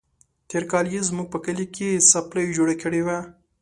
تېر کال يې زموږ په کلي کې څپلۍ جوړه کړې وه.